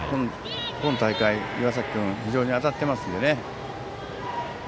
今大会、岩崎君非常に当たっていますのでね。